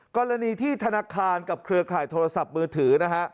กรณีที่ธนาคารกับเครือข่ายโทรศัพท์มือถือนะฮะ